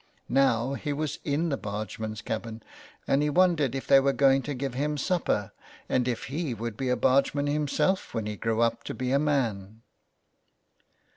Now he was in the bargeman's cabin, and he wondered if they were going to give him supper and if he would be a bargeman himself when he grew up to be a man.